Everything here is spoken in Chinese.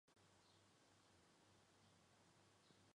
现时法国执政党为中间派亲欧盟自由主义共和前进！